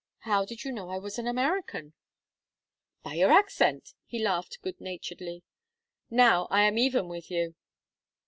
"How did you know I was an American?" "By your accent." He laughed good naturedly. "Now I am even with you."